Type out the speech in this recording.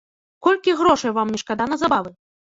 Колькі грошай вам не шкада на забавы?